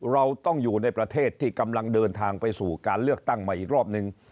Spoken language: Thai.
เราต้องอยู่ในประเทศที่กำลังเดินทางไปสู่การเลือกตั้งใหม่อีกรอบนึง